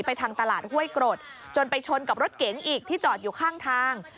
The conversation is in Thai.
ทางตลาดห้วยกรดจนไปชนกับรถเก๋งอีกที่จอดอยู่ข้างทาง